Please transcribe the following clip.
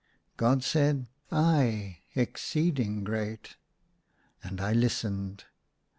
God said, " Ay, exceeding great." And I listened.